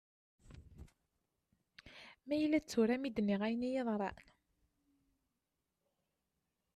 Ma yella d tura mi d-nniɣ ayen iyi-yeḍran.